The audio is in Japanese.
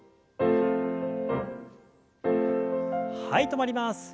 はい止まります。